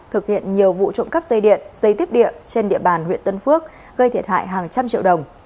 thực hiện nhiều vụ trộm cắp dây điện dây tiếp địa trên địa bàn huyện tân phước gây thiệt hại hàng trăm triệu đồng